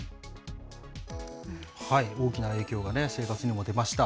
大きな影響がね、生活にも出ました。